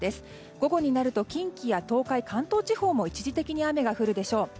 午後になると近畿や東海関東地方も一時的に雨が降るでしょう。